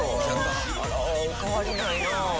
お変わりないなあ。